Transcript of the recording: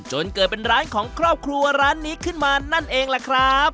จนเกิดเป็นร้านของครอบครัวร้านนี้ขึ้นมานั่นเองล่ะครับ